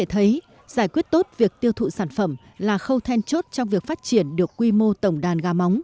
tạo ra một cái sản phẩm tốt trong việc phát triển được quy mô tổng đàn gà móng